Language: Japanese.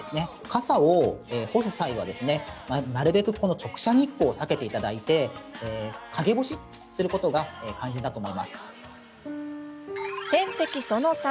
傘を干す際には、なるべくこの直射日光を避けていただいて陰干しすることが肝心だと思います。